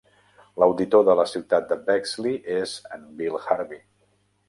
L'auditor de la ciutat de Bexley és en Bill Harvey.